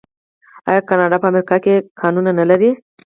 آیا کاناډا په افریقا کې کانونه نلري؟